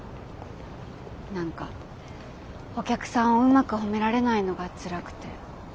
何かお客さんをうまく褒められないのがつらくて。